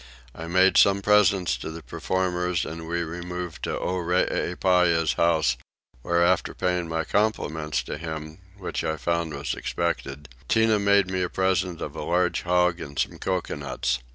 I made some presents to the performers and we removed to Oreepyah's house where, after paying my compliments to him, which I found was expected, Tinah made me a present of a large hog and some coconuts.